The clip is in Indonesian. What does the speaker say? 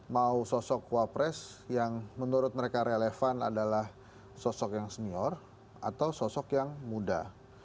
mau sosok wapres yang menurut mereka relevan adalah sosok yang senior atau sosok yang muda